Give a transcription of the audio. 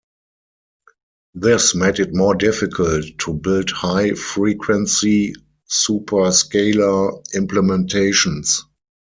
This made it more difficult to build high frequency superscalar implementations.